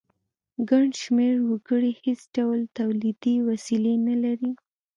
ګڼ شمیر وګړي هیڅ ډول تولیدي وسیلې نه لري.